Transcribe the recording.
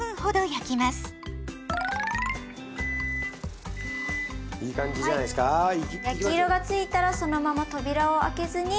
焼き色がついたらそのまま扉を開けずに。